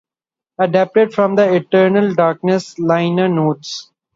Adapted from the "Eternal Darkness" liner notes.